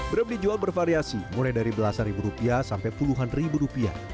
brem dijual bervariasi mulai dari belasan ribu rupiah sampai puluhan ribu rupiah